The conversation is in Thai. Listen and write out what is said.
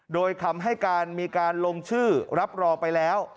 โดยคำให้การมีการลงชื่อรับรองไปแล้ว